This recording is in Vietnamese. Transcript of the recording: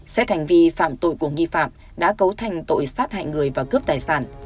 xét hành vi phạm tội của nghi phạm đã cấu thành tội sát hại người và cướp tài sản